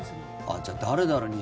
じゃあ誰だろう。